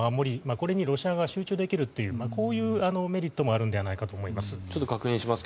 これにロシア側が集中できるとこういうメリットもあるのではと思います。